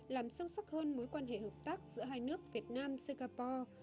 làm sâu sắc hơn mối quan hệ hợp tác giữa hai nước việt nam singapore